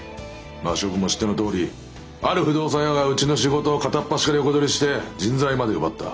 まあ諸君も知ってのとおりある不動産屋がうちの仕事を片っ端から横取りして人材まで奪った。